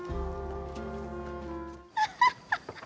アハハハハ！